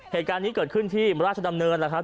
เหตุการณ์นี้เกิดขึ้นที่ราชดำเนินแล้วครับ